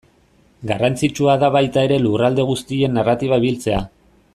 Garrantzitsua da baita ere lurralde guztien narratiba biltzea.